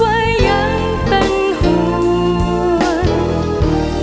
ว่ายังเป็นห่วง